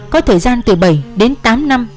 có thời gian từ bảy đến tám năm